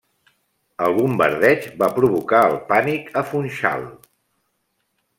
El bombardeig va provocar el pànic a Funchal.